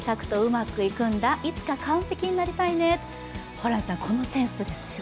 ホランさん、このセンスですよ。